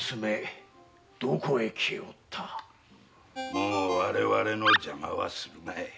もう我々の邪魔はすまい。